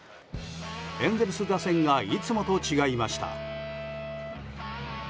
エンゼルス打線がいつもと違いました。